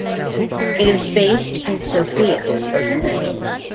It is based in Sofia.